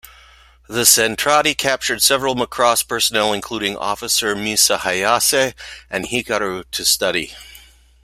The Zentradi capture several Macross personnel including Officer Misa Hayase and Hikaru to study.